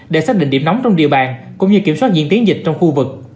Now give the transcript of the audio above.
để xác định điểm nóng trong địa bàn cũng như kiểm soát diễn tiến dịch trong khu vực